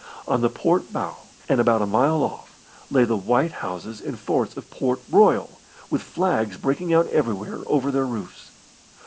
On the port bow, and about a mile off, lay the white houses and forts of Port Royal, with flags breaking out everywhere over their roofs.